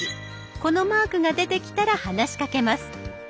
このマークが出てきたら話しかけます。